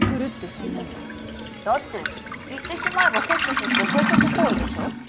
そんなのだって言ってしまえばセックスって生殖行為でしょ？